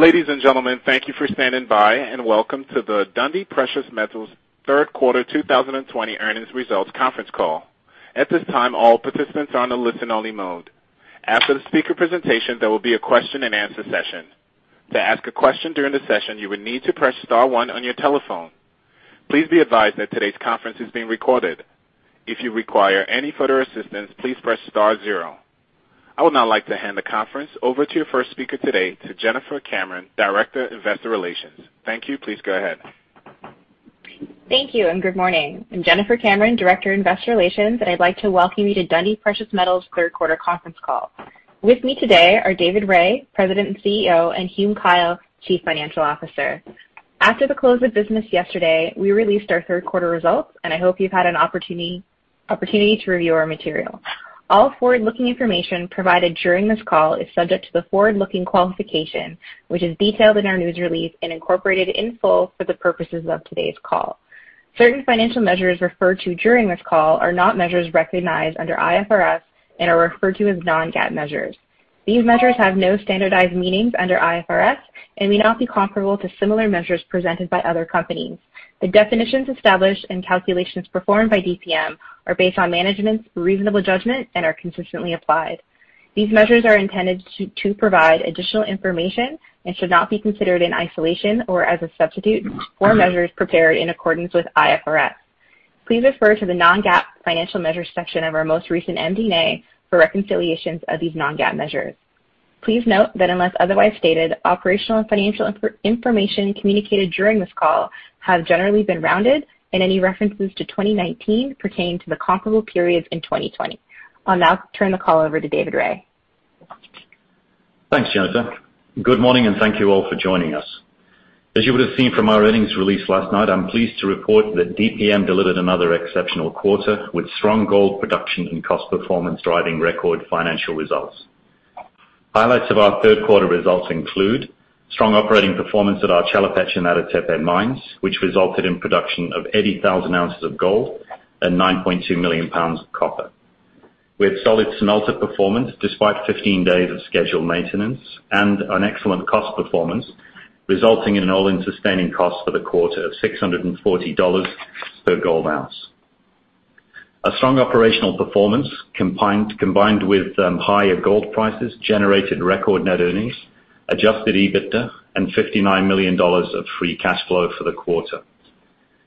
Ladies and gentlemen, thank you for standing by, and welcome to the Dundee Precious Metals third quarter 2020 earnings results conference call. At this time, all participants are on a listen-only mode. After the speaker presentation, there will be a question and answer session. To ask a question during the session, you would need to press star one on your telephone. Please be advised that today's conference is being recorded. If you require any further assistance, please press star zero. I would now like to hand the conference over to your first speaker today, to Jennifer Cameron, Director of Investor Relations. Thank you. Please go ahead. Thank you, and good morning. I'm Jennifer Cameron, Director of Investor Relations, and I'd like to welcome you to Dundee Precious Metals' third quarter conference call. With me today are David Rae, President and CEO, and Hume Kyle, Chief Financial Officer. After the close of business yesterday, we released our third quarter results, and I hope you've had an opportunity to review our material. All forward-looking information provided during this call is subject to the forward-looking qualification, which is detailed in our news release and incorporated in full for the purposes of today's call. Certain financial measures referred to during this call are not measures recognized under IFRS and are referred to as non-GAAP measures. These measures have no standardized meanings under IFRS and may not be comparable to similar measures presented by other companies. The definitions established and calculations performed by DPM are based on management's reasonable judgment and are consistently applied. These measures are intended to provide additional information and should not be considered in isolation or as a substitute for measures prepared in accordance with IFRS. Please refer to the non-GAAP financial measures section of our most recent MD&A for reconciliations of these non-GAAP measures. Please note that unless otherwise stated, operational and financial information communicated during this call have generally been rounded, and any references to 2019 pertain to the comparable periods in 2020. I'll now turn the call over to David Rae. Thanks, Jennifer. Good morning, and thank you all for joining us. As you would've seen from our earnings release last night, I'm pleased to report that DPM delivered another exceptional quarter, with strong gold production and cost performance driving record financial results. Highlights of our third quarter results include strong operating performance at our Chelopech and Ada Tepe mines, which resulted in production of 80,000 ounces of gold and 9.2 million pounds of copper. We had solid smelter performance despite 15 days of scheduled maintenance and an excellent cost performance, resulting in an all-in sustaining cost for the quarter of $640 per gold ounce. A strong operational performance, combined with higher gold prices, generated record net earnings, adjusted EBITDA, and $59 million of free cash flow for the quarter.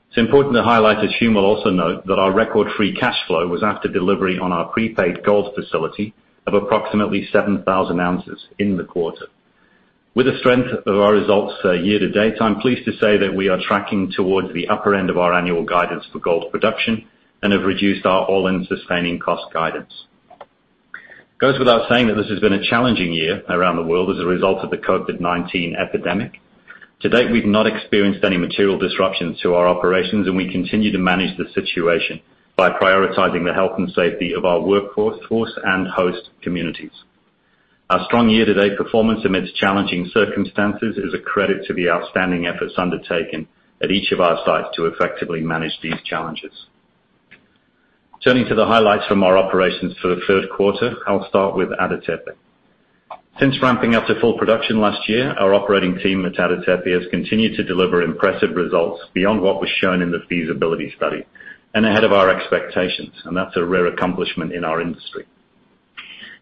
It's important to highlight, as Hume will also note, that our record free cash flow was after delivery on our prepaid gold facility of approximately 7,000 ounces in the quarter. With the strength of our results year to date, I'm pleased to say that we are tracking towards the upper end of our annual guidance for gold production and have reduced our all-in sustaining cost guidance. It goes without saying that this has been a challenging year around the world as a result of the COVID-19 epidemic. To date, we've not experienced any material disruptions to our operations, and we continue to manage the situation by prioritizing the health and safety of our workforce and host communities. Our strong year-to-date performance amidst challenging circumstances is a credit to the outstanding efforts undertaken at each of our sites to effectively manage these challenges. Turning to the highlights from our operations for the third quarter, I'll start with Ada Tepe. Since ramping up to full production last year, our operating team at Ada Tepe has continued to deliver impressive results beyond what was shown in the feasibility study and ahead of our expectations, and that's a rare accomplishment in our industry.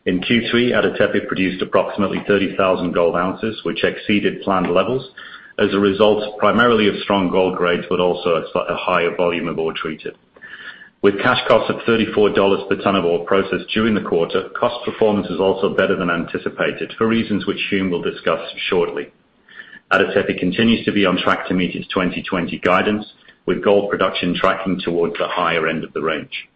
In Q3, Ada Tepe produced approximately 30,000 gold ounces, which exceeded planned levels as a result primarily of strong gold grades, but also a higher volume of ore treated. With cash costs of $34 per ton of ore processed during the quarter, cost performance was also better than anticipated for reasons which Hume will discuss shortly. Ada Tepe continues to be on track to meet its 2020 guidance, with gold production tracking towards the higher end of the range.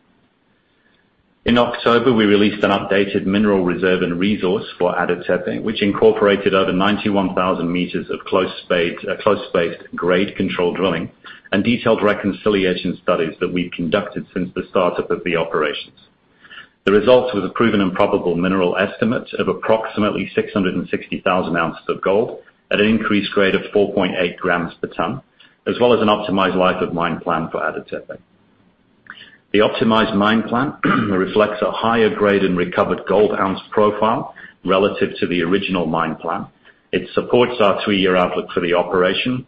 In October, we released an updated mineral reserve and resource for Ada Tepe, which incorporated over 91,000 meters of close-spaced grade control drilling and detailed reconciliation studies that we've conducted since the start-up of the operations. The results was a proven and probable mineral estimate of approximately 660,000 ounces of gold at an increased grade of 4.8 grams per ton, as well as an optimized life of mine plan for Ada Tepe. The optimized mine plan reflects a higher grade in recovered gold ounce profile relative to the original mine plan. It supports our three-year outlook for the operation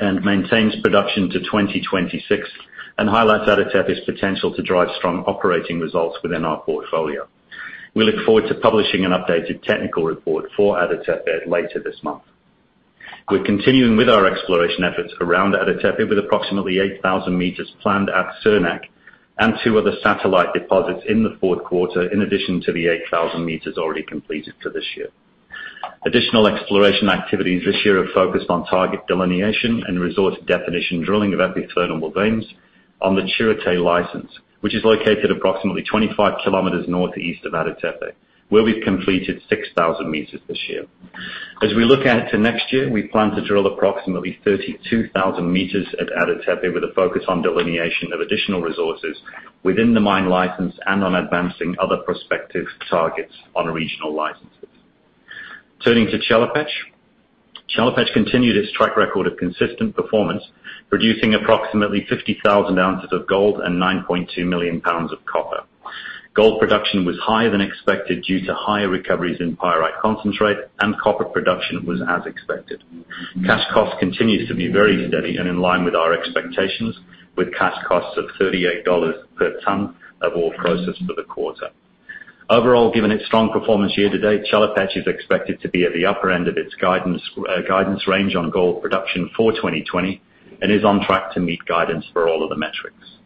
and maintains production to 2026 and highlights Ada Tepe's potential to drive strong operating results within our portfolio. We look forward to publishing an updated technical report for Ada Tepe later this month. We're continuing with our exploration efforts around Ada Tepe with approximately 8,000 meters planned at Surnak and two other satellite deposits in the fourth quarter, in addition to the 8,000 meters already completed for this year. Additional exploration activities this year have focused on target delineation and resource definition drilling of epithermal veins on the Chirite license, which is located approximately 25 kilometers northeast of Ada Tepe, where we've completed 6,000 meters this year. As we look out to next year, we plan to drill approximately 32,000 meters at Ada Tepe with a focus on delineation of additional resources within the mine license and on advancing other prospective targets on regional licenses. Turning to Chelopech. Chelopech continued its track record of consistent performance, producing approximately 50,000 ounces of gold and 9.2 million pounds of copper. Gold production was higher than expected due to higher recoveries in pyrite concentrate, and copper production was as expected. Cash cost continues to be very steady and in line with our expectations, with cash costs of $38 per ton of ore processed for the quarter. Overall, given its strong performance year-to-date, Chelopech is expected to be at the upper end of its guidance range on gold production for 2020, and is on track to meet guidance for all of the metrics.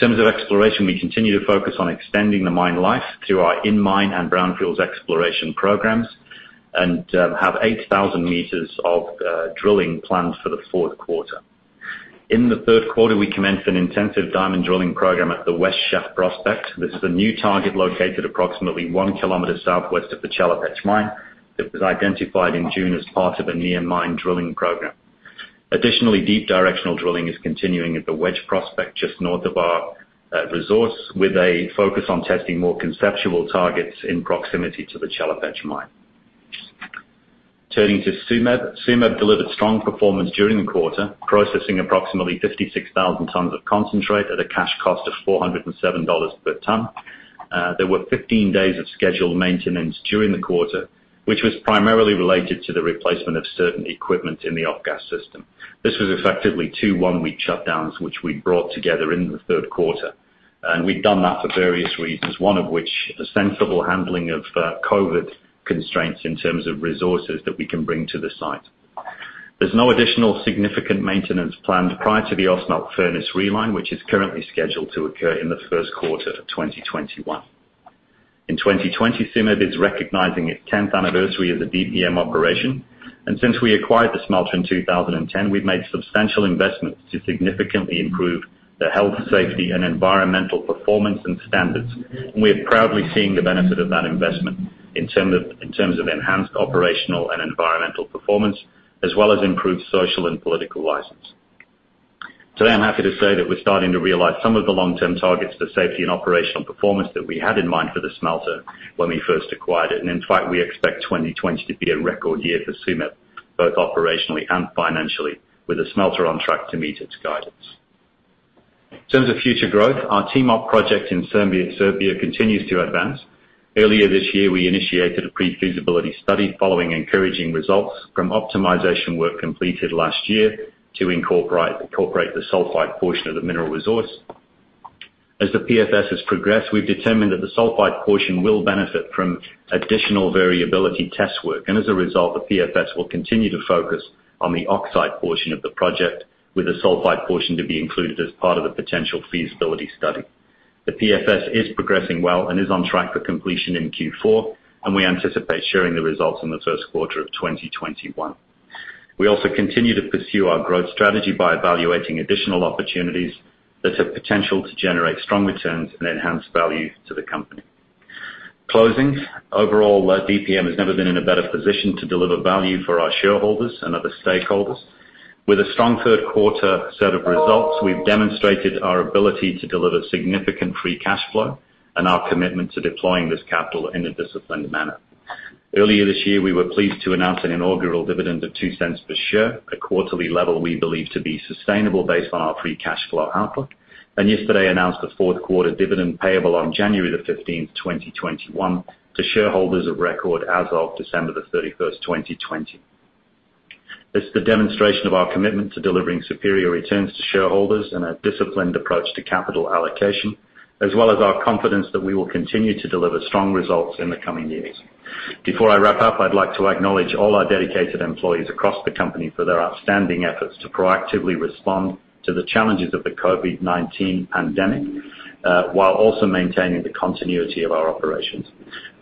In terms of exploration, we continue to focus on extending the mine life through our in-mine and brownfields exploration programs, and have 8,000 meters of drilling planned for the fourth quarter. In the third quarter, we commenced an intensive diamond drilling program at the West Shaft Prospect. This is a new target located approximately one kilometer southwest of the Chelopech Mine. It was identified in June as part of a near mine-drilling program. Additionally, deep directional drilling is continuing at the Wedge Prospect, just north of our resource, with a focus on testing more conceptual targets in proximity to the Chelopech mine. Turning to Tsumeb. Tsumeb delivered strong performance during the quarter, processing approximately 56,000 tons of concentrate at a cash cost of $407 per ton. There were 15 days of scheduled maintenance during the quarter, which was primarily related to the replacement of certain equipment in the off-gas system. This was effectively two one-week shutdowns, which we brought together in the third quarter. We'd done that for various reasons, one of which, the sensible handling of COVID constraints in terms of resources that we can bring to the site. There's no additional significant maintenance planned prior to the Ausmelt furnace reline, which is currently scheduled to occur in the first quarter of 2021. In 2020, Tsumeb is recognizing its 10th anniversary as a DPM operation. Since we acquired the smelter in 2010, we've made substantial investments to significantly improve the health, safety, and environmental performance and standards. We're proudly seeing the benefit of that investment in terms of enhanced operational and environmental performance, as well as improved social and political license. Today, I'm happy to say that we're starting to realize some of the long-term targets for safety and operational performance that we had in mind for the smelter when we first acquired it. In fact, we expect 2020 to be a record year for Tsumeb, both operationally and financially, with the smelter on track to meet its guidance. In terms of future growth, our Timok project in Serbia continues to advance. Earlier this year, we initiated a pre-feasibility study following encouraging results from optimization work completed last year to incorporate the sulfide portion of the mineral resource. As the PFS has progressed, we've determined that the sulfide portion will benefit from additional variability test work, and as a result, the PFS will continue to focus on the oxide portion of the project, with the sulfide portion to be included as part of the potential feasibility study. The PFS is progressing well and is on track for completion in Q4, and we anticipate sharing the results in the first quarter of 2021. We also continue to pursue our growth strategy by evaluating additional opportunities that have potential to generate strong returns and enhance value to the company. Closing. Overall, DPM has never been in a better position to deliver value for our shareholders and other stakeholders. With a strong third quarter set of results, we've demonstrated our ability to deliver significant free cash flow and our commitment to deploying this capital in a disciplined manner. Earlier this year, we were pleased to announce an inaugural dividend of $0.02 per share, a quarterly level we believe to be sustainable based on our free cash flow outlook, and yesterday announced a fourth quarter dividend payable on January 15th, 2021 to shareholders of record as of December 31st, 2020. It's the demonstration of our commitment to delivering superior returns to shareholders and a disciplined approach to capital allocation, as well as our confidence that we will continue to deliver strong results in the coming years. Before I wrap up, I'd like to acknowledge all our dedicated employees across the company for their outstanding efforts to proactively respond to the challenges of the COVID-19 pandemic, while also maintaining the continuity of our operations.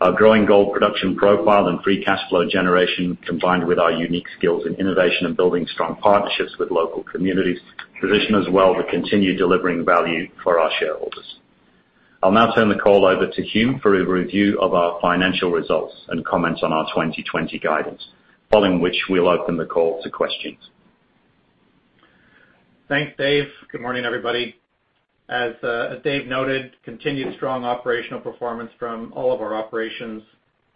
Our growing gold production profile and free cash flow generation, combined with our unique skills in innovation and building strong partnerships with local communities, position us well to continue delivering value for our shareholders. I'll now turn the call over to Hume for a review of our financial results and comments on our 2020 guidance, following which, we'll open the call to questions. Thanks, Dave. Good morning, everybody. As Dave noted, continued strong operational performance from all of our operations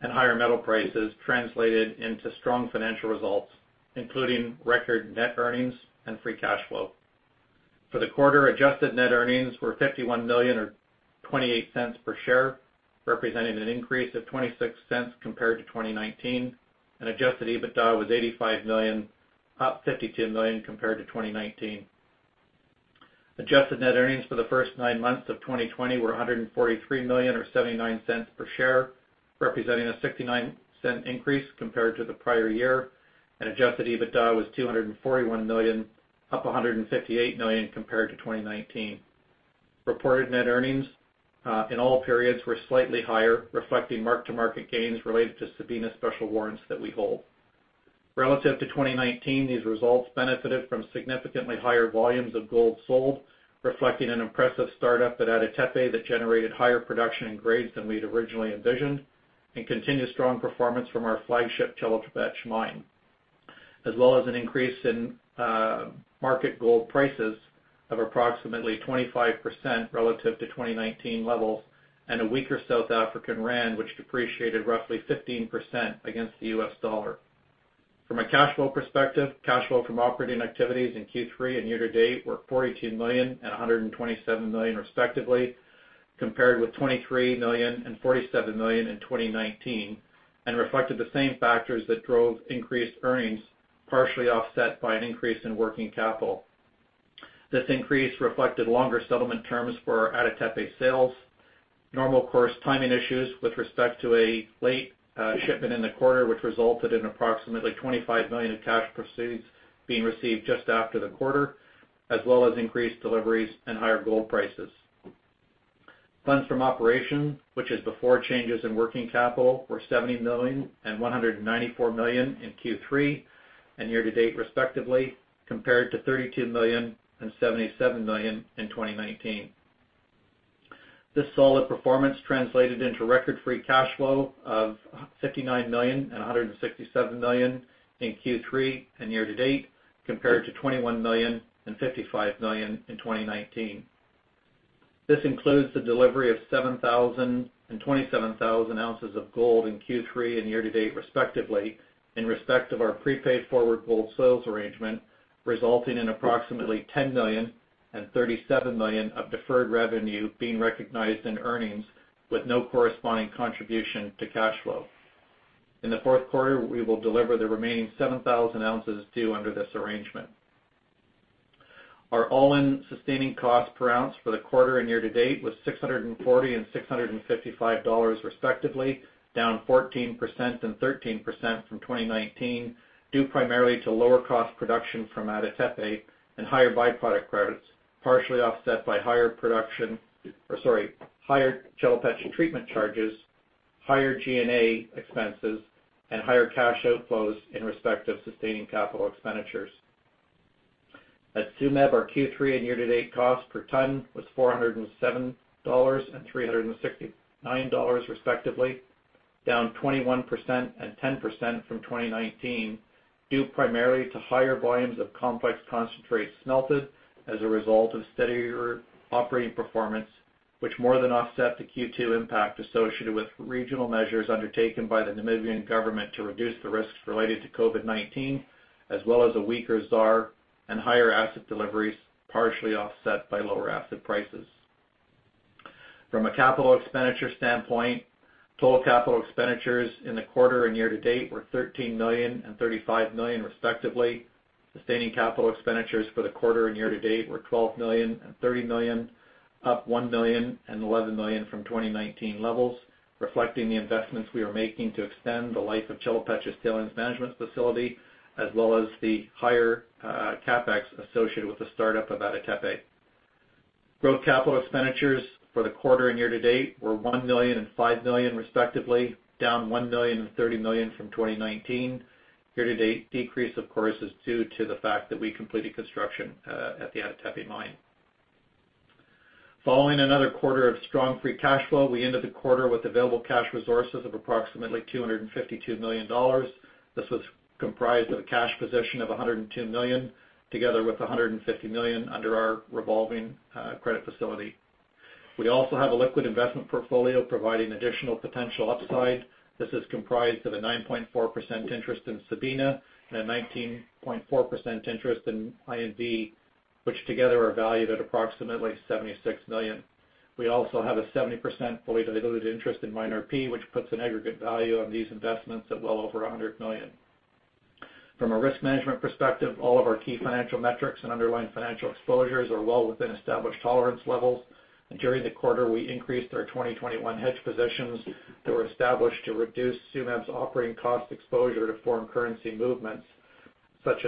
and higher metal prices translated into strong financial results, including record net earnings and free cash flow. For the quarter, adjusted net earnings were $51 million, or $0.28 per share, representing an increase of $0.26 compared to 2019. Adjusted EBITDA was $85 million, up $52 million compared to 2019. Adjusted net earnings for the first nine months of 2020 were $143 million or $0.79 per share, representing a $0.69 increase compared to the prior year. Adjusted EBITDA was $241 million, up $158 million compared to 2019. Reported net earnings, in all periods were slightly higher, reflecting mark-to-market gains related to Sabina's special warrants that we hold. Relative to 2019, these results benefited from significantly higher volumes of gold sold, reflecting an impressive startup at Ada Tepe that generated higher production in grades than we'd originally envisioned, and continued strong performance from our flagship Chelopech Mine, as well as an increase in market gold prices of approximately 25% relative to 2019 levels, and a weaker South African rand, which depreciated roughly 15% against the US dollar. From a cash flow perspective, cash flow from operating activities in Q3 and year-to-date were $42 million and $127 million respectively, compared with $23 million and $47 million in 2019, and reflected the same factors that drove increased earnings, partially offset by an increase in working capital. This increase reflected longer settlement terms for our Ada Tepe sales, normal course timing issues with respect to a late shipment in the quarter, which resulted in approximately $25 million of cash proceeds being received just after the quarter, as well as increased deliveries and higher gold prices. Funds from operation, which is before changes in working capital, were $70 million and $194 million in Q3 and year-to-date respectively, compared to $32 million and $77 million in 2019. This solid performance translated into record free cash flow of $59 million and $167 million in Q3 and year-to-date, compared to $21 million and $55 million in 2019. This includes the delivery of 7,000 and 27,000 ounces of gold in Q3 and year-to-date respectively, in respect of our prepaid forward gold sales arrangement, resulting in approximately $10 million and $37 million of deferred revenue being recognized in earnings with no corresponding contribution to cash flow. In the fourth quarter, we will deliver the remaining 7,000 ounces due under this arrangement. Our all-in sustaining cost per ounce for the quarter and year-to-date was $640 and $655 respectively, down 14% and 13% from 2019, due primarily to lower cost production from Ada Tepe and higher by-product credits, partially offset by higher Chelopech treatment charges, higher G&A expenses, and higher cash outflows in respect of sustaining capital expenditures. At Tsumeb, our Q3 and year-to-date cost per ton was $407 and $369 respectively, down 21% and 10% from 2019, due primarily to higher volumes of complex concentrates smelted as a result of steadier operating performance, which more than offset the Q2 impact associated with regional measures undertaken by the Namibian government to reduce the risks related to COVID-19, as well as a weaker ZAR and higher acid deliveries, partially offset by lower acid prices. From a capital expenditure standpoint, total capital expenditures in the quarter and year-to-date were $13 million and $35 million respectively. Sustaining capital expenditures for the quarter and year-to-date were $12 million and $30 million, up $1 million and $11 million from 2019 levels, reflecting the investments we are making to extend the life of Chelopech's tailings management facility, as well as the higher CapEx associated with the start-up of Ada Tepe. Growth capital expenditures for the quarter and year-to-date were $1 million and $5 million respectively, down $1 million and $30 million from 2019. Year-to-date decrease, of course, is due to the fact that we completed construction at the Ada Tepe mine. Following another quarter of strong free cash flow, we ended the quarter with available cash resources of approximately $252 million. This was comprised of a cash position of $102 million, together with $150 million under our revolving credit facility. We also have a liquid investment portfolio providing additional potential upside. This is comprised of a 9.4% interest in Sabina and a 19.4% interest in INV, which together are valued at approximately $76 million. We also have a 70% fully diluted interest in MineRP, which puts an aggregate value on these investments of well over $100 million. From a risk management perspective, all of our key financial metrics and underlying financial exposures are well within established tolerance levels. During the quarter, we increased our 2021 hedge positions that were established to reduce Tsumeb's operating cost exposure to foreign currency movements, such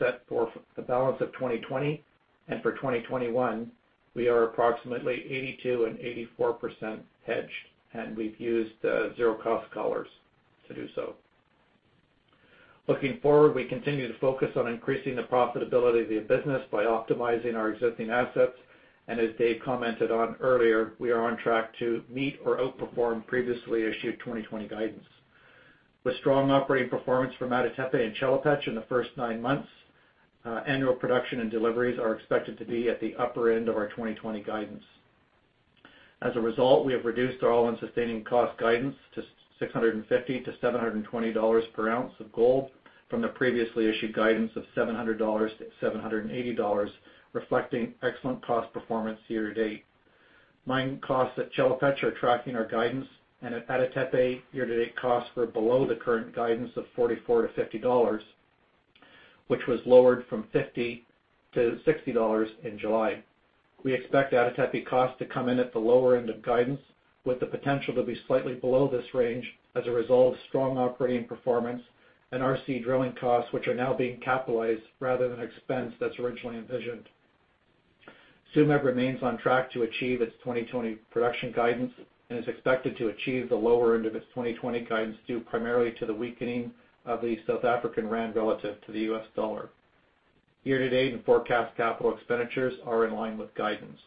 that for the balance of 2020 and for 2021, we are approximately 82% and 84% hedged, and we've used zero cost collars to do so. Looking forward, we continue to focus on increasing the profitability of the business by optimizing our existing assets. As Dave commented on earlier, we are on track to meet or outperform previously issued 2020 guidance. With strong operating performance from Ada Tepe and Chelopech in the first nine months, annual production and deliveries are expected to be at the upper end of our 2020 guidance. As a result, we have reduced our all-in sustaining cost guidance to $650-$720 per ounce of gold from the previously issued guidance of $700-$780, reflecting excellent cost performance year-to-date. Mine costs at Chelopech are tracking our guidance, and at Ada Tepe, year-to-date costs were below the current guidance of $44-$50, which was lowered from $50-$60 in July. We expect Ada Tepe costs to come in at the lower end of guidance, with the potential to be slightly below this range as a result of strong operating performance and RC drilling costs, which are now being capitalized rather than expense that's originally envisioned. Tsumeb remains on track to achieve its 2020 production guidance and is expected to achieve the lower end of its 2020 guidance due primarily to the weakening of the South African rand relative to the US dollar. Year-to-date and forecast capital expenditures are in line with guidance.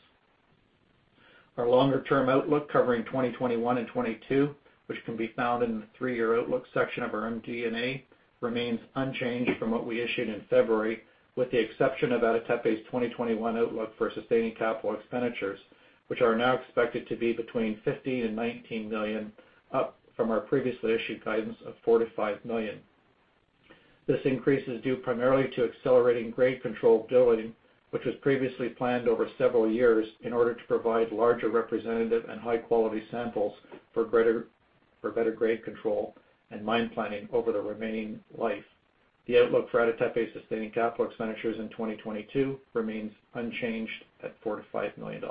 Our longer-term outlook covering 2021 and 2022, which can be found in the three-year outlook section of our MD&A, remains unchanged from what we issued in February, with the exception of Ada Tepe's 2021 outlook for sustaining capital expenditures, which are now expected to be between $15 million and $19 million, up from our previously issued guidance of $4 million to $5 million. This increase is due primarily to accelerating grade control drilling, which was previously planned over several years in order to provide larger, representative, and high-quality samples for better grade control and mine planning over the remaining life. The outlook for Ada Tepe sustaining capital expenditures in 2022 remains unchanged at $4 million-$5 million.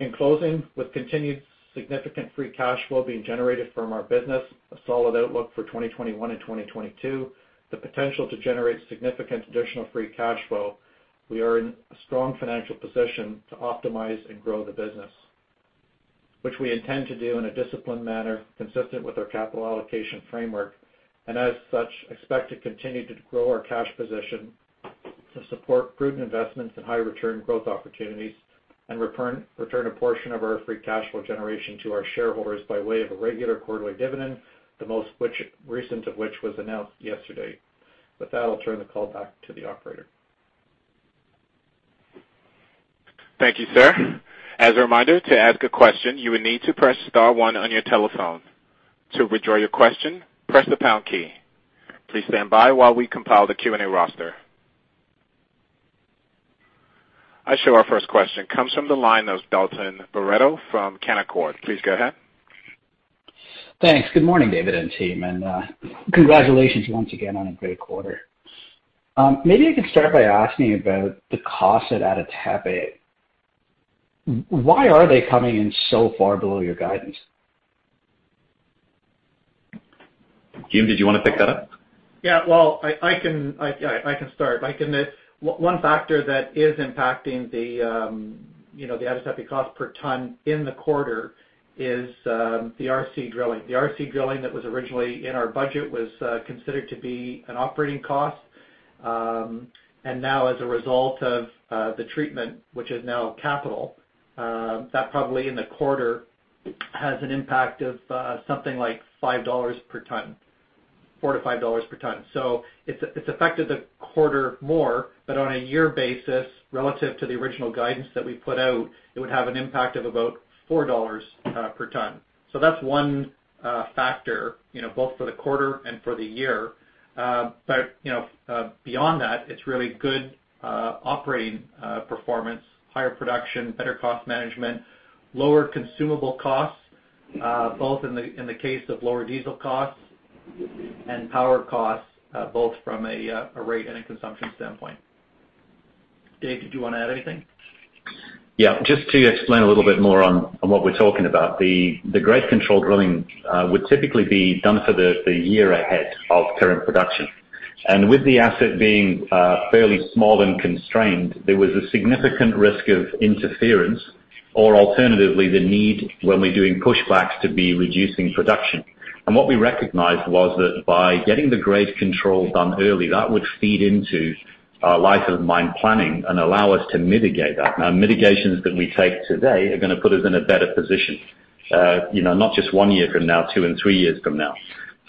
In closing, with continued significant free cash flow being generated from our business, a solid outlook for 2021 and 2022, the potential to generate significant additional free cash flow, we are in a strong financial position to optimize and grow the business. Which we intend to do in a disciplined manner consistent with our capital allocation framework, and as such, expect to continue to grow our cash position to support prudent investments in high return growth opportunities and return a portion of our free cash flow generation to our shareholders by way of a regular quarterly dividend, the most recent of which was announced yesterday. With that, I'll turn the call back to the operator. Thank you, sir. As a reminder, to ask a question, you would need to press star one on your telephone. To withdraw your question, press the pound key. Please stand by while we compile the Q&A roster. I show our first question comes from the line of Dalton Baretto from Canaccord. Please go ahead. Thanks. Good morning, David and team, and congratulations once again on a great quarter. Maybe I could start by asking about the cost at Ada Tepe. Why are they coming in so far below your guidance? Hume, did you want to pick that up? Yeah, well, I can start. One factor that is impacting the Ada Tepe cost per ton in the quarter is the RC drilling. The RC drilling that was originally in our budget was considered to be an operating cost. Now as a result of the treatment, which is now capital, that probably in the quarter has an impact of something like $5 per ton, $4-$5 per ton. It's affected the quarter more, but on a year basis, relative to the original guidance that we put out, it would have an impact of about $4 per ton. That's one factor, both for the quarter and for the year. Beyond that, it's really good operating performance, higher production, better cost management, lower consumable costs, both in the case of lower diesel costs and power costs, both from a rate and a consumption standpoint. Dave, did you want to add anything? Yeah, just to explain a little bit more on what we're talking about. The grade control drilling would typically be done for the year ahead of current production. With the asset being fairly small and constrained, there was a significant risk of interference or alternatively, the need when we're doing push backs to be reducing production. What we recognized was that by getting the grade control done early, that would feed into our life of mine planning and allow us to mitigate that. Now, mitigations that we take today are going to put us in a better position, not just one year from now, two and three years from now.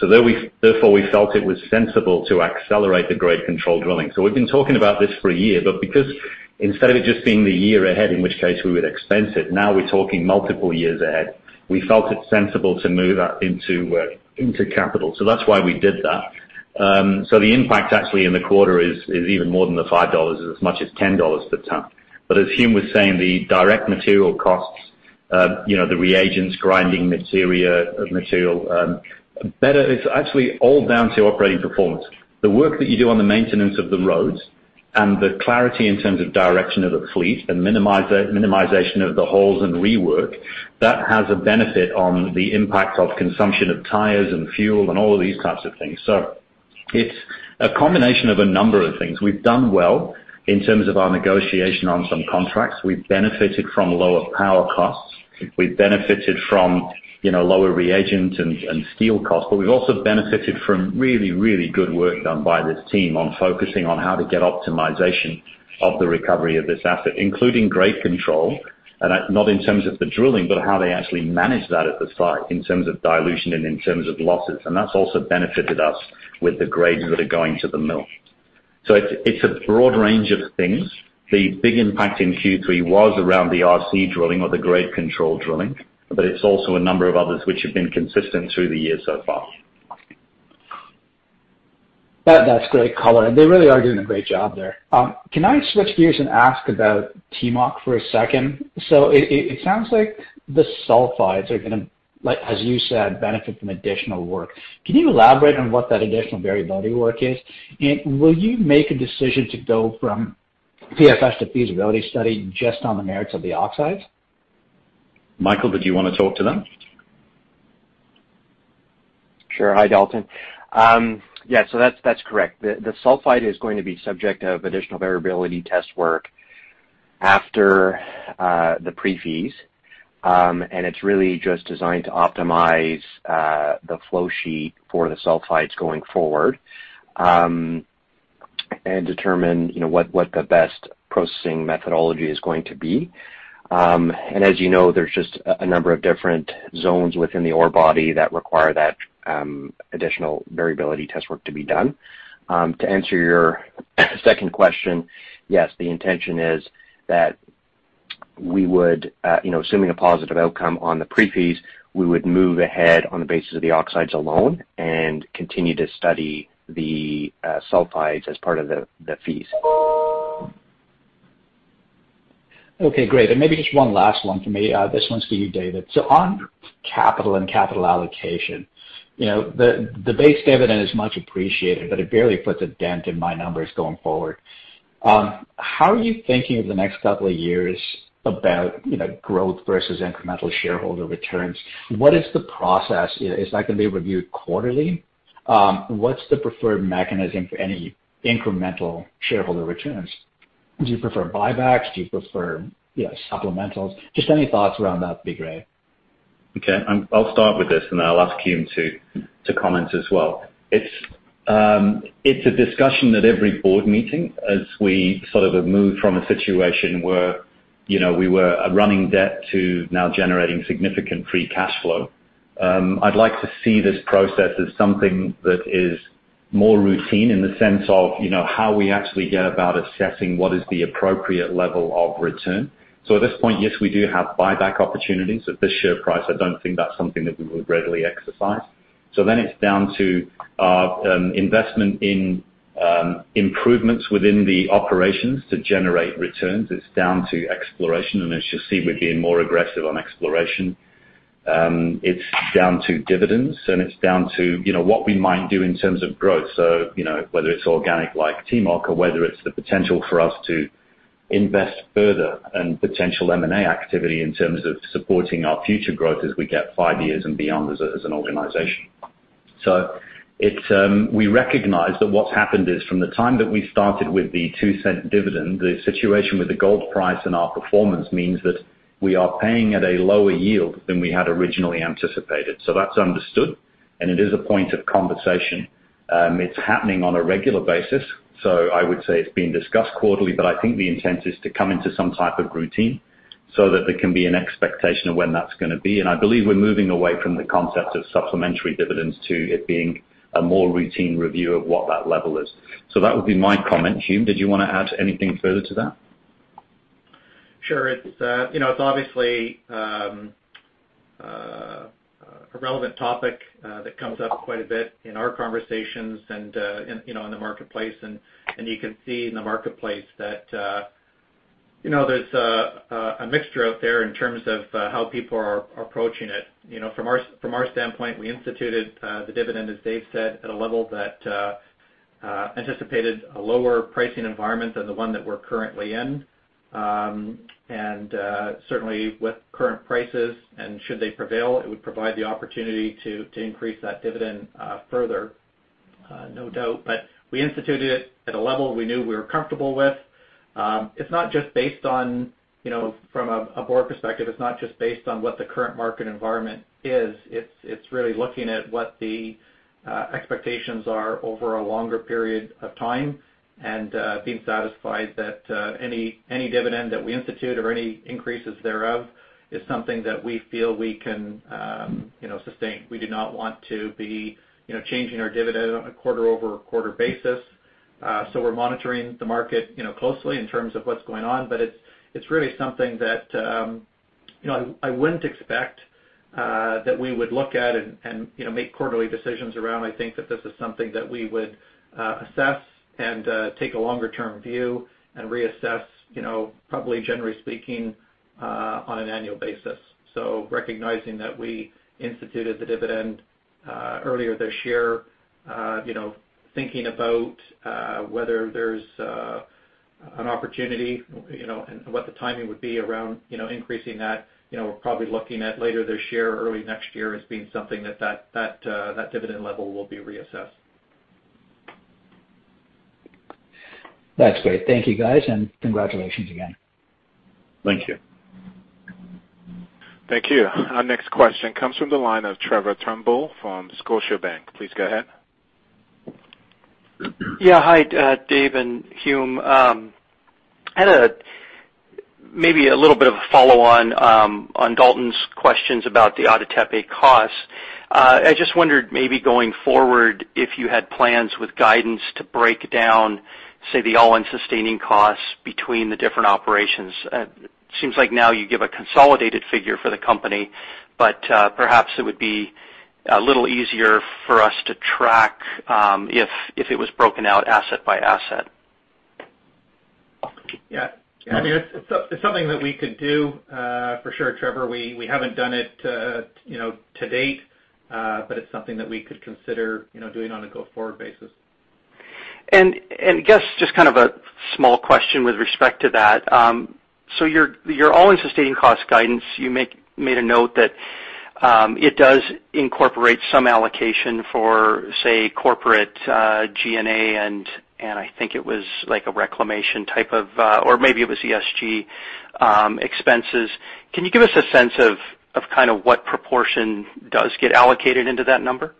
Therefore we felt it was sensible to accelerate the grade control drilling. We've been talking about this for a year, but because instead of it just being the year ahead, in which case we would expense it, now we're talking multiple years ahead. We felt it sensible to move that into capital. That's why we did that. The impact actually in the quarter is even more than the $5, is as much as $10 a ton. As Hume was saying, the direct material costs, the reagents, grinding material, it's actually all down to operating performance. The work that you do on the maintenance of the roads and the clarity in terms of direction of the fleet and minimization of the holes and rework, that has a benefit on the impact of consumption of tires and fuel and all of these types of things. It's a combination of a number of things. We've done well in terms of our negotiation on some contracts. We've benefited from lower power costs. We've benefited from lower reagent and steel costs, but we've also benefited from really, really good work done by this team on focusing on how to get optimization of the recovery of this asset, including grade control, and not in terms of the drilling, but how they actually manage that at the site in terms of dilution and in terms of losses. That's also benefited us with the grades that are going to the mill. It's a broad range of things. The big impact in Q3 was around the RC drilling or the grade control drilling, but it's also a number of others which have been consistent through the year so far. That's great color. They really are doing a great job there. Can I switch gears and ask about Timok for a second? It sounds like the sulfides are going to, as you said, benefit from additional work. Can you elaborate on what that additional variability work is? Will you make a decision to go from PFS to feasibility study just on the merits of the oxides? Michael, did you want to talk to that? Sure. Hi, Dalton. That's correct. The sulfide is going to be subject of additional variability test work after the pre-feas. It's really just designed to optimize the flow sheet for the sulfides going forward, and determine what the best processing methodology is going to be. As you know, there's just a number of different zones within the ore body that require that additional variability test work to be done. To answer your second question, yes, the intention is that, assuming a positive outcome on the pre-feas, we would move ahead on the basis of the oxides alone and continue to study the sulfides as part of the feas. Okay, great. Maybe just one last one for me. This one's for you, David. On capital and capital allocation, the base dividend is much appreciated, but it barely puts a dent in my numbers going forward. How are you thinking of the next couple of years about growth versus incremental shareholder returns? What is the process? Is that going to be reviewed quarterly? What's the preferred mechanism for any incremental shareholder returns? Do you prefer buybacks? Do you prefer supplementals? Just any thoughts around that would be great. Okay. I'll start with this. I'll ask Hume to comment as well. It's a discussion at every board meeting as we sort of have moved from a situation where we were a running debt to now generating significant free cash flow. I'd like to see this process as something that is more routine in the sense of how we actually go about assessing what is the appropriate level of return. At this point, yes, we do have buyback opportunities. At this share price, I don't think that's something that we would readily exercise. It's down to investment in improvements within the operations to generate returns. It's down to exploration. As you'll see, we're being more aggressive on exploration. It's down to dividends. It's down to what we might do in terms of growth. Whether it's organic like Timok or whether it's the potential for us to invest further and potential M&A activity in terms of supporting our future growth as we get five years and beyond as an organization. We recognize that what's happened is, from the time that we started with the $0.02 dividend, the situation with the gold price and our performance means that we are paying at a lower yield than we had originally anticipated. That's understood, and it is a point of conversation. It's happening on a regular basis, so I would say it's being discussed quarterly, but I think the intent is to come into some type of routine so that there can be an expectation of when that's going to be. I believe we're moving away from the concept of supplementary dividends to it being a more routine review of what that level is. That would be my comment. Hume, did you want to add anything further to that? Sure. It's obviously a relevant topic that comes up quite a bit in our conversations and in the marketplace. You can see in the marketplace that there's a mixture out there in terms of how people are approaching it. From our standpoint, we instituted the dividend, as Dave said, at a level that anticipated a lower pricing environment than the one that we're currently in. Certainly with current prices, and should they prevail, it would provide the opportunity to increase that dividend further, no doubt. We instituted it at a level we knew we were comfortable with. From a board perspective, it's not just based on what the current market environment is. It's really looking at what the expectations are over a longer period of time and being satisfied that any dividend that we institute or any increases thereof is something that we feel we can sustain. We do not want to be changing our dividend on a quarter-over-quarter basis. We're monitoring the market closely in terms of what's going on, but it's really something that I wouldn't expect that we would look at and make quarterly decisions around. I think that this is something that we would assess and take a longer-term view and reassess probably generally speaking, on an annual basis. Recognizing that we instituted the dividend earlier this year, thinking about whether there's an opportunity, and what the timing would be around increasing that. We're probably looking at later this year or early next year as being something that that dividend level will be reassessed. That's great. Thank you, guys, and congratulations again. Thank you. Thank you. Our next question comes from the line of Trevor Turnbull from Scotiabank. Please go ahead. Hi, Dave and Hume. I had maybe a little bit of a follow-on on Dalton's questions about the Ada Tepe costs. I just wondered maybe going forward if you had plans with guidance to break down, say, the all-in sustaining costs between the different operations. It seems like now you give a consolidated figure for the company, but perhaps it would be a little easier for us to track if it was broken out asset by asset. Yeah. It's something that we could do for sure, Trevor. We haven't done it to date, but it's something that we could consider doing on a go-forward basis. I guess just kind of a small question with respect to that. Your all-in sustaining cost guidance, you made a note that it does incorporate some allocation for, say, corporate G&A and I think it was like a reclamation type of, or maybe it was ESG expenses. Can you give us a sense of kind of what proportion does get allocated into that number?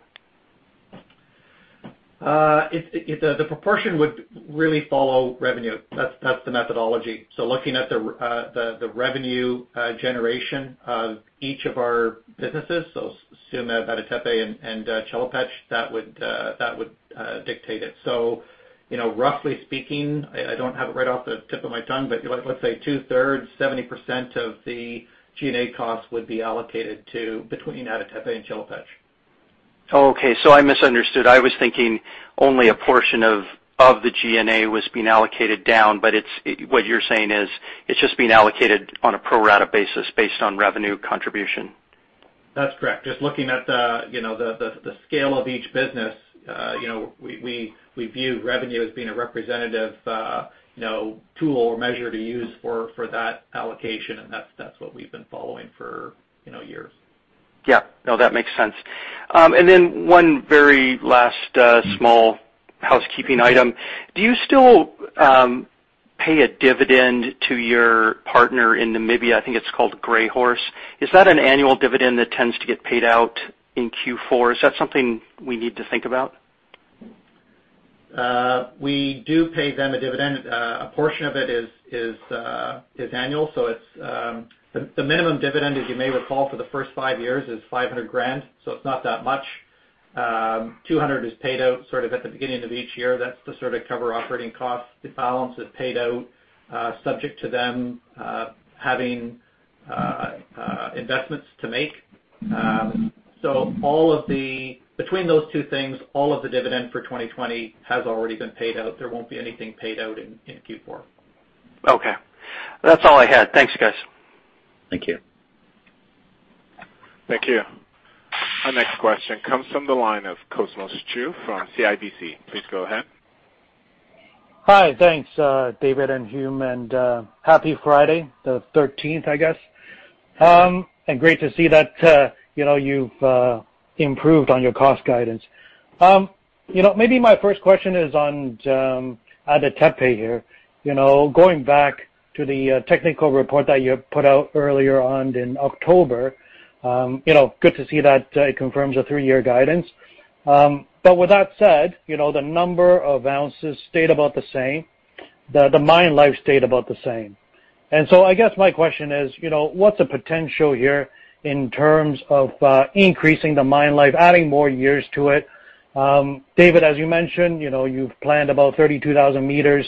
The proportion would really follow revenue. That's the methodology. Looking at the revenue generation of each of our businesses, assume Ada Tepe and Chelopech, that would dictate it. Roughly speaking, I don't have it right off the tip of my tongue, but let's say two-thirds, 70% of the G&A costs would be allocated between Ada Tepe and Chelopech. I misunderstood. I was thinking only a portion of the G&A was being allocated down. What you're saying is it's just being allocated on a pro rata basis based on revenue contribution. That's correct. Just looking at the scale of each business, we view revenue as being a representative tool or measure to use for that allocation, and that's what we've been following for years. Yeah. No, that makes sense. One very last small housekeeping item. Do you still pay a dividend to your partner in Namibia, I think it's called Greyhorse Mining? Is that an annual dividend that tends to get paid out in Q4? Is that something we need to think about? We do pay them a dividend. A portion of it is annual. The minimum dividend, as you may recall, for the first five years, is $500,000, so it's not that much. $200,000 is paid out sort of at the beginning of each year. That's to sort of cover operating costs. The balance is paid out, subject to them having investments to make. Between those two things, all of the dividend for 2020 has already been paid out. There won't be anything paid out in Q4. Okay. That's all I had. Thanks, guys. Thank you. Thank you. Our next question comes from the line of Cosmos Chiu from CIBC. Please go ahead. Hi. Thanks, David and Hume. Happy Friday the 13th, I guess. Great to see that you've improved on your cost guidance. Maybe my first question is on Ada Tepe here. Going back to the technical report that you put out earlier on in October, good to see that it confirms the three-year guidance. With that said, the number of ounces stayed about the same. The mine life stayed about the same. I guess my question is, what's the potential here in terms of increasing the mine life, adding more years to it? David, as you mentioned, you've planned about 32,000 meters.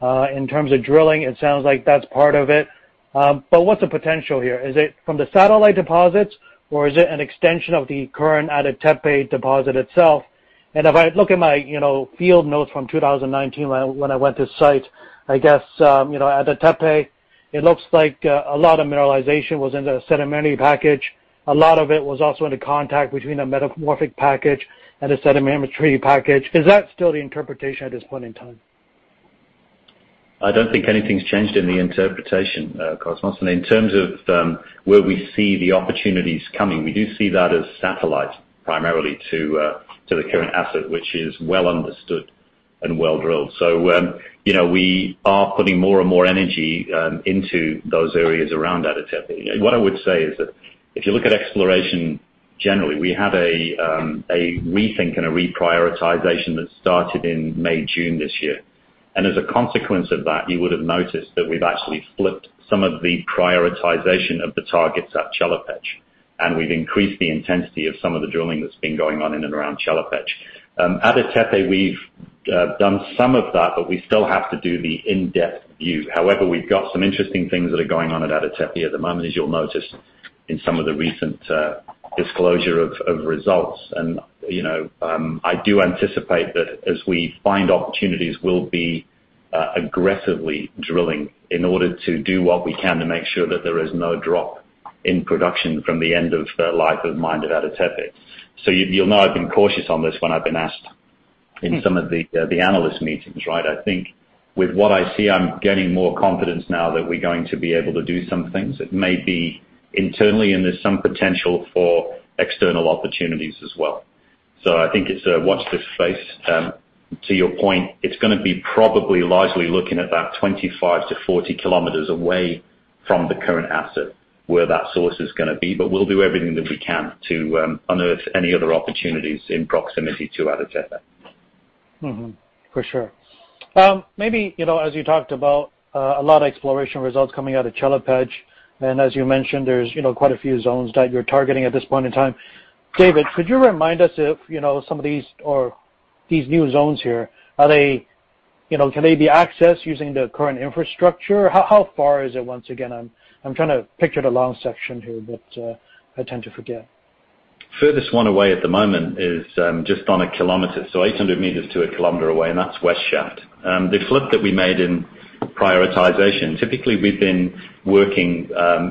In terms of drilling, it sounds like that's part of it. What's the potential here? Is it from the satellite deposits, or is it an extension of the current Ada Tepe deposit itself? If I look at my field notes from 2019 when I went to site, I guess, Ada Tepe, it looks like a lot of mineralization was in the sedimentary package. A lot of it was also in the contact between a metamorphic package and a sedimentary package. Is that still the interpretation at this point in time? I don't think anything's changed in the interpretation, Cosmos Chiu. In terms of where we see the opportunities coming, we do see that as satellite primarily to the current asset, which is well understood and well drilled. We are putting more and more energy into those areas around Ada Tepe. What I would say is that if you look at exploration, generally, we had a rethink and a reprioritization that started in May, June this year. As a consequence of that, you would have noticed that we've actually flipped some of the prioritization of the targets at Chelopech, and we've increased the intensity of some of the drilling that's been going on in and around Chelopech. Ada Tepe, we've done some of that, but we still have to do the in-depth view. However, we've got some interesting things that are going on at Ada Tepe at the moment, as you'll notice in some of the recent disclosure of results. I do anticipate that as we find opportunities, we'll be aggressively drilling in order to do what we can to make sure that there is no drop in production from the end of the life of mine at Ada Tepe. You'll know I've been cautious on this when I've been asked in some of the analyst meetings, right? I think with what I see, I'm getting more confidence now that we're going to be able to do some things. It may be internally, and there's some potential for external opportunities as well. I think it's a watch this space. To your point, it's gonna be probably largely looking about 25 to 40 km away from the current asset where that source is gonna be. We'll do everything that we can to unearth any other opportunities in proximity to Ada Tepe. Mm-hmm. For sure. Maybe, as you talked about, a lot of exploration results coming out of Chelopech, and as you mentioned, there's quite a few zones that you're targeting at this point in time. David, could you remind us if some of these new zones here, can they be accessed using the current infrastructure? How far is it, once again? I'm trying to picture the long section here, but I tend to forget. Furthest one away at the moment is just on a kilometer. 800 m to a kilometer away, and that's West Shaft. The flip that we made in prioritization, typically we've been working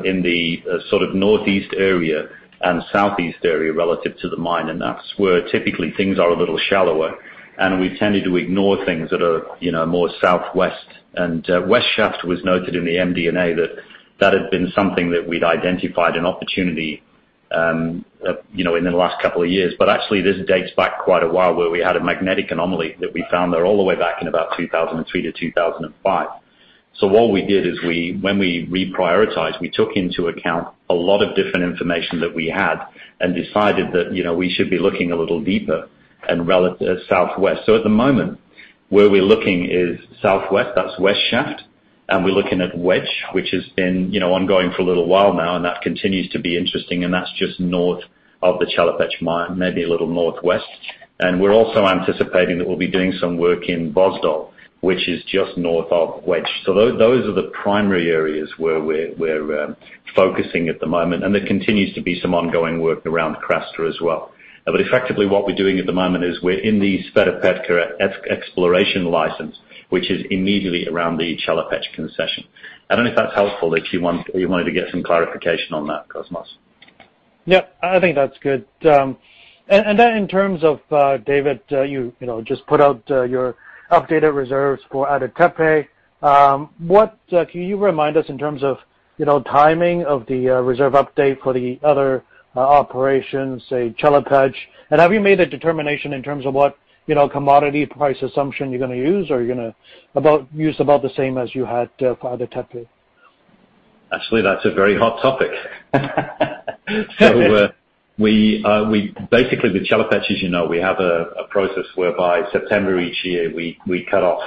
in the sort of northeast area and southeast area relative to the mine, and that's where typically things are a little shallower. We've tended to ignore things that are more southwest. West Shaft was noted in the MD&A that that had been something that we'd identified an opportunity in the last couple of years. Actually, this dates back quite a while where we had a magnetic anomaly that we found there all the way back in about 2003 to 2005. What we did is when we reprioritized, we took into account a lot of different information that we had and decided that we should be looking a little deeper and southwest. At the moment, where we're looking is southwest, that's West Shaft, and we're looking at Wedge, which has been ongoing for a little while now, and that continues to be interesting, and that's just north of the Chelopech mine, maybe a little northwest. We're also anticipating that we'll be doing some work in Vozdol, which is just north of Wedge. Those are the primary areas where we're focusing at the moment, and there continues to be some ongoing work around Krassen as well. Effectively, what we're doing at the moment is we're in the Sveta Petka exploration license, which is immediately around the Chelopech concession. I don't know if that's helpful, if you wanted to get some clarification on that, Cosmos. Yep. I think that's good. In terms of, David, you just put out your updated reserves for Ada Tepe. Can you remind us in terms of timing of the reserve update for the other operations, say, Chelopech? Have you made a determination in terms of what commodity price assumption you're going to use? Are you going to use about the same as you had for Ada Tepe? Actually, that's a very hot topic. Basically, with Chelopech, as you know, we have a process whereby September each year, we cut off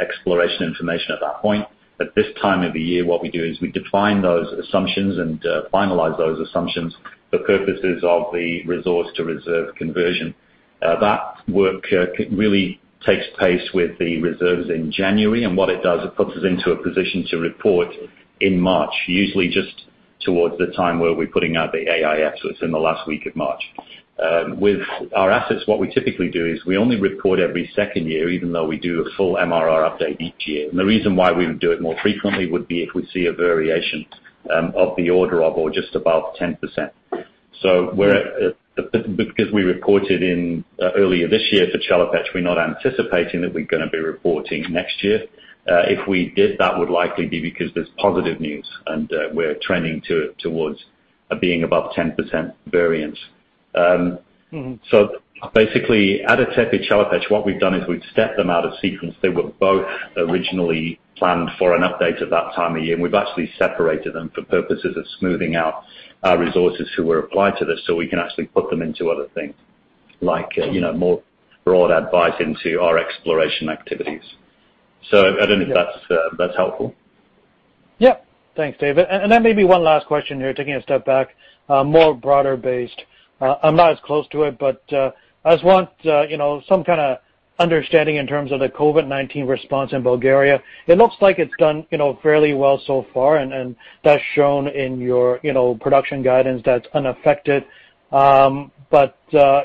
exploration information at that point. At this time of the year, what we do is we define those assumptions and finalize those assumptions for purposes of the resource-to-reserve conversion. That work really takes pace with the reserves in January. What it does, it puts us into a position to report in March, usually just towards the time where we're putting out the AIF, so it's in the last week of March. With our assets, what we typically do is we only report every second year, even though we do a full MRR update each year. The reason why we would do it more frequently would be if we see a variation of the order of or just above 10%. Because we reported in earlier this year for Chelopech, we're not anticipating that we're going to be reporting next year. If we did, that would likely be because there's positive news, and we're trending towards being above 10% variance. Basically, Ada Tepe, Chelopech, what we've done is we've stepped them out of sequence. They were both originally planned for an update at that time of year. We've actually separated them for purposes of smoothing out our resources that were applied to this so we can actually put them into other things, like more broad advice into our exploration activities. I don't know if that's helpful. Yep. Thanks, David. Then maybe one last question here, taking a step back, more broader based. I am not as close to it, but I just want some kind of understanding in terms of the COVID-19 response in Bulgaria. It looks like it has done fairly well so far, and that is shown in your production guidance that is unaffected. How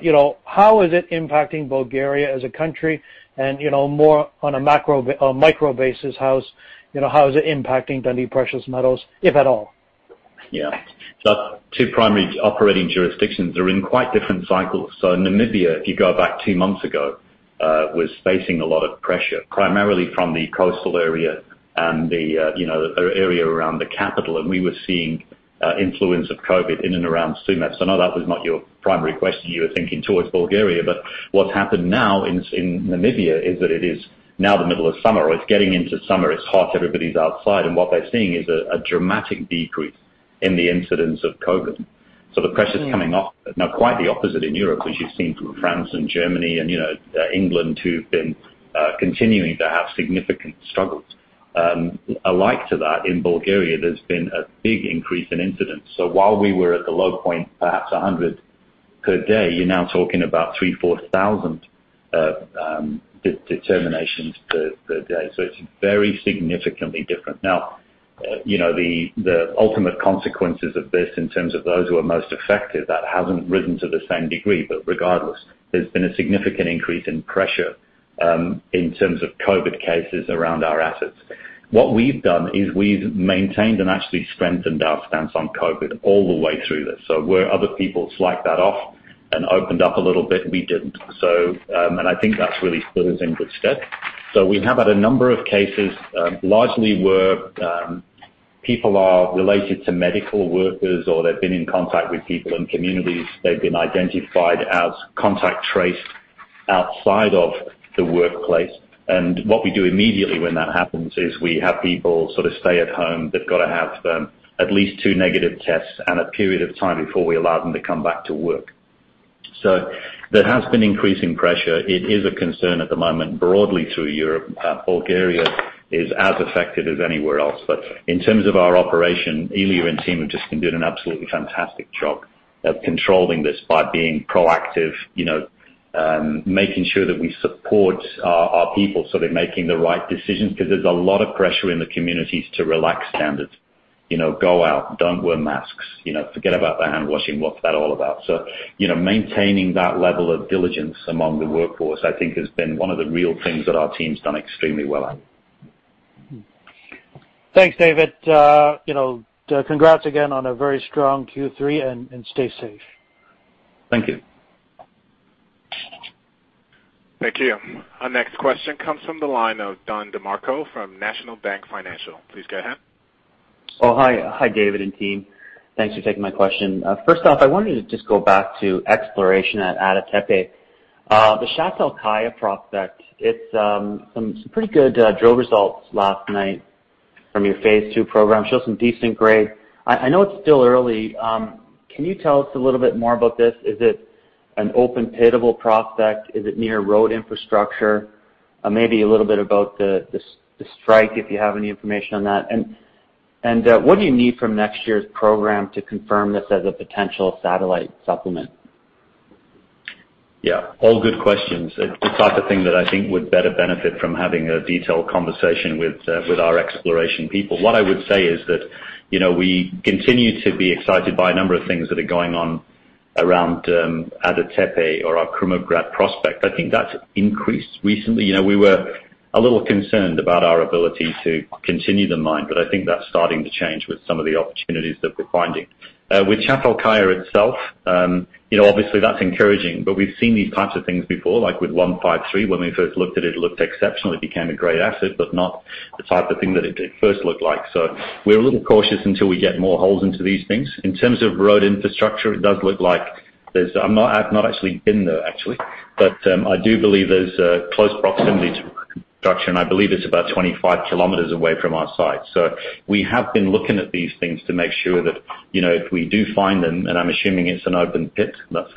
is it impacting Bulgaria as a country and, more on a micro basis, how is it impacting Dundee Precious Metals, if at all? Yeah. Two primary operating jurisdictions are in quite different cycles. Namibia, if you go back two months ago, was facing a lot of pressure, primarily from the coastal area and the area around the capital. We were seeing influence of COVID in and around Tsumeb. I know that was not your primary question. You were thinking towards Bulgaria. What's happened now in Namibia is that it is now the middle of summer, or it's getting into summer. It's hot, everybody's outside. What they're seeing is a dramatic decrease in the incidence of COVID. The pressure's coming off. Now, quite the opposite in Europe, as you've seen from France and Germany and England, who've been continuing to have significant struggles. Alike to that, in Bulgaria, there's been a big increase in incidents. While we were at the low point, perhaps 100 per day, you're now talking about 3,000, 4,000 determinations per day. It's very significantly different. The ultimate consequences of this in terms of those who are most affected, that hasn't risen to the same degree. Regardless, there's been a significant increase in pressure in terms of COVID cases around our assets. What we've done is we've maintained and actually strengthened our stance on COVID all the way through this. Where other people slacked that off and opened up a little bit, we didn't. I think that's really put us in good stead. We have had a number of cases, largely where people are related to medical workers, or they've been in contact with people in communities. They've been identified as contact traced outside of the workplace. What we do immediately when that happens is we have people sort of stay at home. They've got to have at least two negative tests and a period of time before we allow them to come back to work. There has been increasing pressure. It is a concern at the moment broadly through Europe. Bulgaria is as affected as anywhere else. In terms of our operation, Iliya and team have just been doing an absolutely fantastic job of controlling this by being proactive, making sure that we support our people, so they're making the right decisions, because there's a lot of pressure in the communities to relax standards. Go out, don't wear masks, forget about the hand washing. What's that all about? Maintaining that level of diligence among the workforce, I think, has been one of the real things that our team's done extremely well at. Thanks, David. Congrats again on a very strong Q3. Stay safe. Thank you. Thank you. Our next question comes from the line of Don DeMarco from National Bank Financial. Please go ahead. Hi, David and team. Thanks for taking my question. First off, I wanted to just go back to exploration at Ada Tepe. The Çatalkaya prospect, it's some pretty good drill results last night from your Phase Two program, shows some decent grade. I know it's still early. Can you tell us a little bit more about this? Is it an open-pittable prospect? Is it near road infrastructure? Maybe a little bit about the strike, if you have any information on that. What do you need from next year's program to confirm this as a potential satellite supplement? Yeah, all good questions. The type of thing that I think would better benefit from having a detailed conversation with our exploration people. What I would say is that we continue to be excited by a number of things that are going on around Ada Tepe or our Krumovgrad prospect. I think that's increased recently. We were a little concerned about our ability to continue the mine. I think that's starting to change with some of the opportunities that we're finding. With Çatalkaya itself, obviously that's encouraging. We've seen these types of things before, like with Block 153, when we first looked at it looked exceptional. It became a great asset, not the type of thing that it first looked like. We're a little cautious until we get more holes into these things. In terms of road infrastructure, it does look like I've not actually been there, actually, but I do believe there's a close proximity to construction. I believe it's about 25 km away from our site. We have been looking at these things to make sure that, if we do find them, and I'm assuming it's an open pit, that's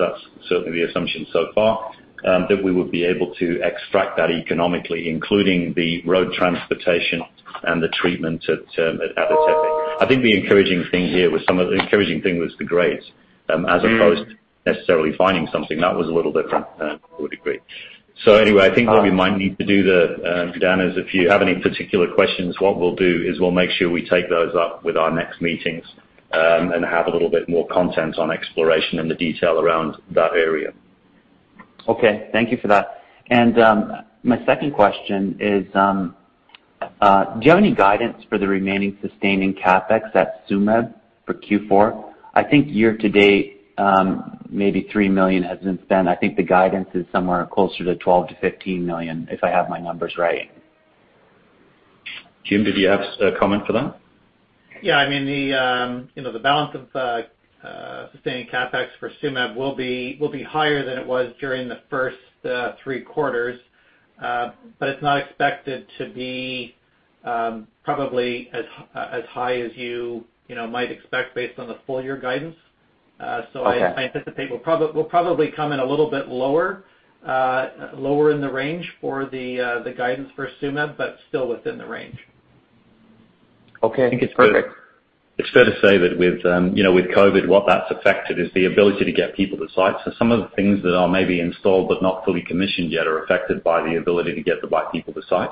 certainly the assumption so far, that we would be able to extract that economically, including the road transportation and the treatment at Ada Tepe. I think the encouraging thing here was the grades, as opposed necessarily finding something. That was a little different, I would agree. I think what we might need to do then is if you have any particular questions, what we'll do is we'll make sure we take those up with our next meetings, and have a little bit more content on exploration and the detail around that area. Okay. Thank you for that. My second question is, do you have any guidance for the remaining sustaining CapEx at Tsumeb for Q4? I think year to date, maybe $3 million has been spent. I think the guidance is somewhere closer to $12 million-$15 million, if I have my numbers right. Hume, did you have a comment for that? Yeah, the balance of sustaining CapEx for Tsumeb will be higher than it was during the first three quarters. It's not expected to be probably as high as you might expect based on the full year guidance. Okay. I anticipate we'll probably come in a little bit lower in the range for the guidance for Tsumeb, but still within the range. Okay, perfect. It's fair to say that with COVID-19, what that's affected is the ability to get people to site. Some of the things that are maybe installed but not fully commissioned yet are affected by the ability to get the right people to site.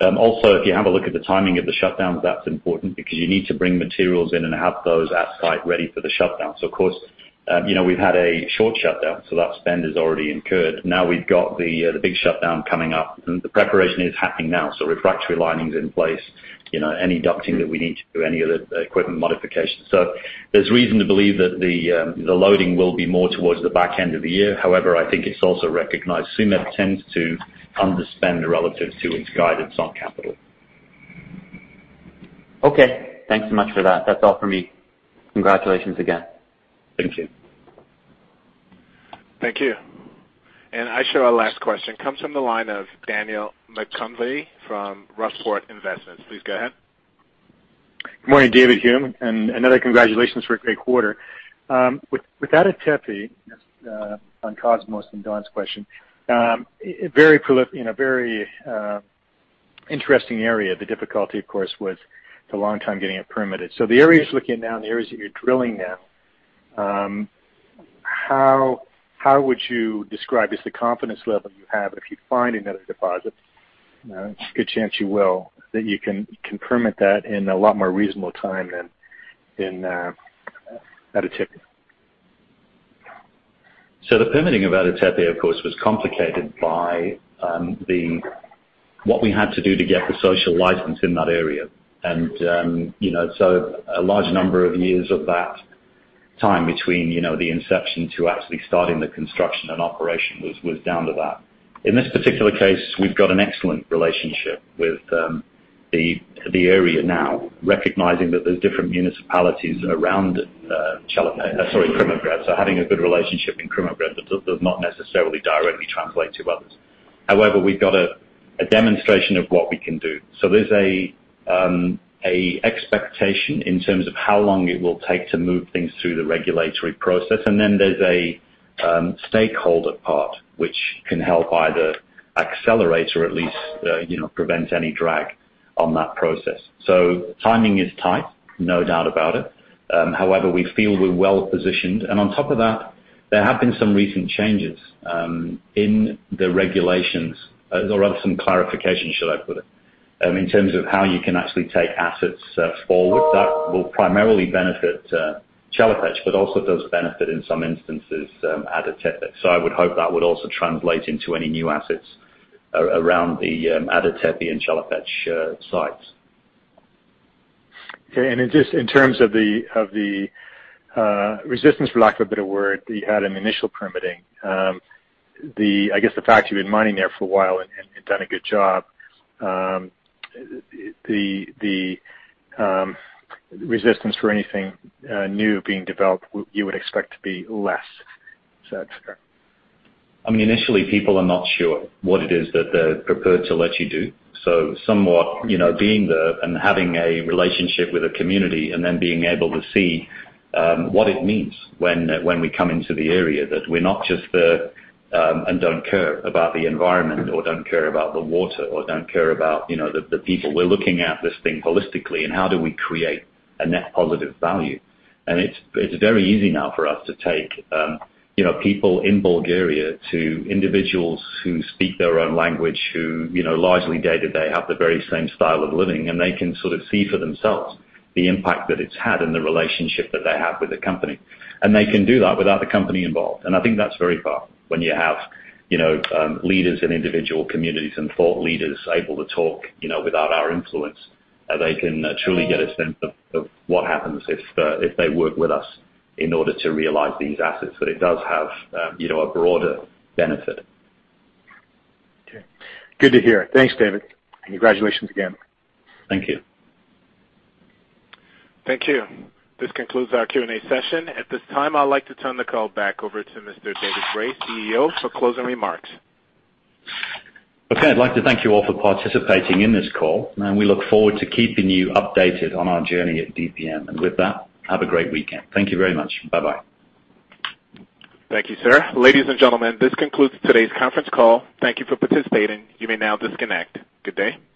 Also, if you have a look at the timing of the shutdowns, that's important because you need to bring materials in and have those at site ready for the shutdown. Of course, we've had a short shutdown, so that spend is already incurred. Now we've got the big shutdown coming up and the preparation is happening now. Refractory lining's in place, any ducting that we need to do, any of the equipment modifications. There's reason to believe that the loading will be more towards the back end of the year. I think it's also recognized Tsumeb tends to underspend relative to its guidance on capital. Okay. Thanks so much for that. That's all for me. Congratulations again. Thank you. Thank you. I show our last question comes from the line of Daniel McConvey from Rossport Investments. Please go ahead. Good morning, David, Hume, and another congratulations for a great quarter. With Ada Tepe on Cosmos and Don's question, very prolific, very interesting area. The difficulty, of course, was the long time getting it permitted. The areas you're looking now and the areas that you're drilling now, how would you describe is the confidence level you have if you find another deposit? Good chance you will, that you can permit that in a lot more reasonable time than Ada Tepe. The permitting of Ada Tepe, of course, was complicated by what we had to do to get the social license in that area. A large number of years of that time between the inception to actually starting the construction and operation was down to that. In this particular case, we've got an excellent relationship with the area now, recognizing that there's different municipalities around Çatalkaya, sorry, Krumovgrad. Having a good relationship in Krumovgrad does not necessarily directly translate to others. However, we've got a demonstration of what we can do. There's an expectation in terms of how long it will take to move things through the regulatory process. There's a stakeholder part which can help either accelerate or at least prevent any drag on that process. Timing is tight, no doubt about it. However, we feel we're well positioned. On top of that, there have been some recent changes in the regulations or rather some clarification, should I put it, in terms of how you can actually take assets forward that will primarily benefit Çatalkaya, but also does benefit in some instances Ada Tepe. I would hope that would also translate into any new assets around the Ada Tepe and Çatalkaya sites. Okay, just in terms of the resistance, for lack of a better word, that you had in initial permitting. I guess the fact you've been mining there for a while and have done a good job, the resistance for anything new being developed, you would expect to be less. Is that fair? Initially people are not sure what it is that they're prepared to let you do. Somewhat, being there and having a relationship with a community and then being able to see what it means when we come into the area. That we're not just there and don't care about the environment or don't care about the water or don't care about the people. We're looking at this thing holistically and how do we create a net positive value. It's very easy now for us to take people in Bulgaria to individuals who speak their own language, who largely day-to-day have the very same style of living, and they can sort of see for themselves the impact that it's had and the relationship that they have with the company. They can do that without the company involved. I think that's very powerful when you have leaders in individual communities and thought leaders able to talk without our influence. They can truly get a sense of what happens if they work with us in order to realize these assets, that it does have a broader benefit. Okay. Good to hear. Thanks, David, and congratulations again. Thank you. Thank you. This concludes our Q&A session. At this time, I'd like to turn the call back over to Mr. David Rae, CEO, for closing remarks. Okay. I'd like to thank you all for participating in this call, and we look forward to keeping you updated on our journey at DPM. With that, have a great weekend. Thank you very much. Bye-bye. Thank you, sir. Ladies and gentlemen, this concludes today's conference call. Thank you for participating. You may now disconnect. Good day.